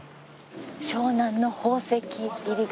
湘南の宝石入り口。